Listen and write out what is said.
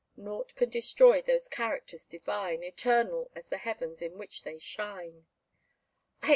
Nought can destroy those characters divine, Eternal as the heavens in which they shine.